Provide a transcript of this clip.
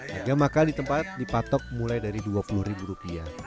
hanya maka di tempat dipatok mulai dari dua puluh rupiah